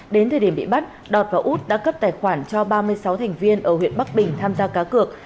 đến thời điểm bị bắt đọt và út đã cấp tài khoản cho ba mươi sáu thành viên ở huyện bắc bình tham gia cá cược